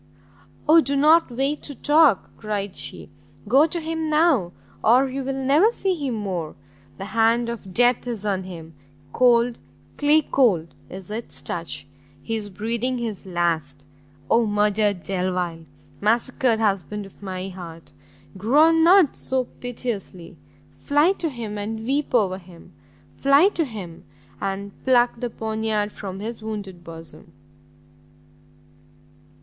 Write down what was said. "O do not wait to talk!" cried she, "go to him now, or you will never see him more! the hand of death is on him, cold, clay cold is its touch! he is breathing his last Oh murdered Delvile! massacred husband of my heart! groan not so piteously! fly to him, and weep over him! fly to him and pluck the poniard from his wounded bosom!"